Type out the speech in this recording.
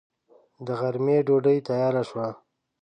د غرمې ډوډۍ تياره شوه.